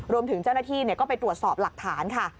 รวมถึงเจ้าหน้าที่ก็ไปตรวจสอบหลักฐานค่ะ